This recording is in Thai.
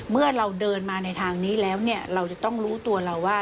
เมื่อเราเดินมาในทางนี้แล้วเนี่ยเราจะต้องรู้ตัวเราว่า